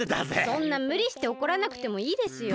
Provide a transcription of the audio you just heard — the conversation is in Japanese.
そんなむりしておこらなくてもいいですよ。